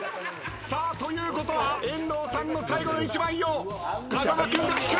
さあということは遠藤さんの最後の１枚を風間君が引く！